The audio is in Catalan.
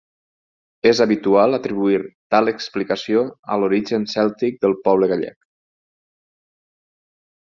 És habitual atribuir tal explicació a l'origen cèltic del poble gallec.